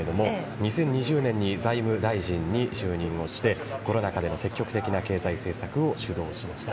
２０２０年に財務大臣に就任してコロナ禍での積極的な経済政策を主導しました。